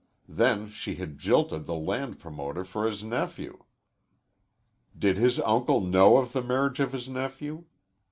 Then she had jilted the land promoter for his nephew. Did his uncle know of the marriage of his nephew?